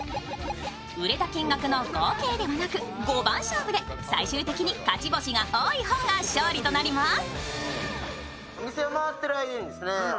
売れた金額の合計ではなく５番勝負で最終的に勝ち星が多い方が勝利となります。